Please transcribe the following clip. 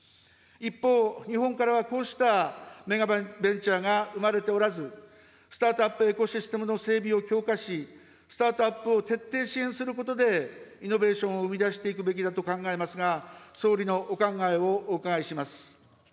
一方、日本からはこうしたメガベンチャーが生まれておらず、スタートアップ・エコシステムの整備を強化し、スタートアップを徹底支援することで、イノベーションを生み出していくべきだと考えますが、総理のお考えをお伺いします。